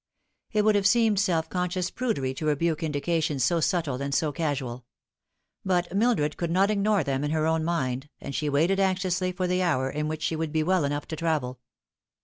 It would have seemed self conscious prudery to rebuke indications so subtle and so casual ; but Mildred could not ignore them in her own mind, and she waited anxiously for the hour in which she would be well enough to travel.